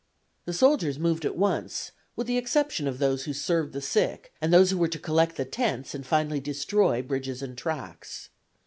The soldiers moved at once, with the exception of those who served the sick, and those who were to collect the tents and finally destroy bridges and tracks.